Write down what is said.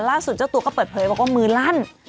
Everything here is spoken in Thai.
ล่าสุดเจ้าตัวก็เปิดเผยว่ามือลั่น